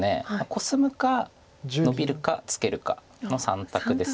コスむかノビるかツケるか。の３択です。